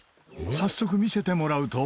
早速見せてもらうと。